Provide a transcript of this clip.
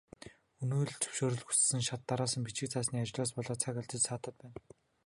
Өнөө л зөвшөөрөл хүссэн шат дараалсан бичиг цаасны ажлаас болоод цаг алдаж саатаад байна.